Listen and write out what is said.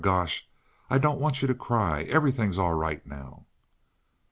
Gosh, I don't want you to cry everything's all right now."